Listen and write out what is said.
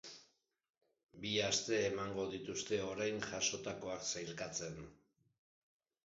Bi aste emango dituzte orain jasotakoak sailkatzen.